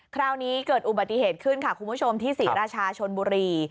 คราวนี้เกิดอุบัติเหตุขึ้นค่ะคุณผู้ชมที่ศรีราชาชนบุรี